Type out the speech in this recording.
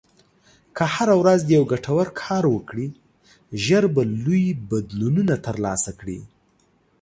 که هره ورځ یو ګټور کار وکړې، ژر به لوی بدلونونه ترلاسه کړې.